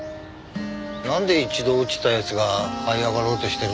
なんで一度落ちた奴がはい上がろうとしてるんだ？